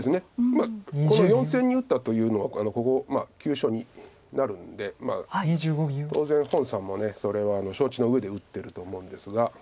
まあこの４線に打ったというのはここ急所になるんで当然洪さんもそれは承知のうえで打ってると思うんですが。